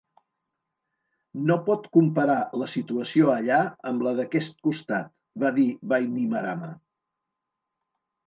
"No pot comparar la situació allà amb la d'aquest costat," va dir Bainimarama.